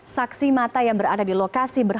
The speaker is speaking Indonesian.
saksi mata yang berada di lokasi berbeda